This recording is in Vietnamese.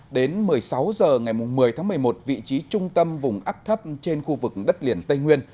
đến một mươi sáu h ngày một mươi tháng một mươi một vị trí trung tâm vùng áp thấp trên khu vực đất liền tây nguyên